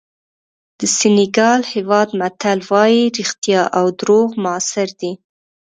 د سینیګال هېواد متل وایي رښتیا او دروغ موثر دي.